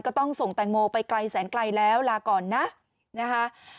ก็ต้องส่งแตงโมไปไกลแสนไกลแล้วลาก่อนนะนะคะ